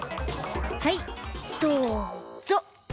はいどうぞ！